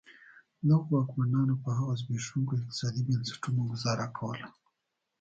دغو واکمنانو په هغه زبېښونکو اقتصادي بنسټونو ګوزاره کوله.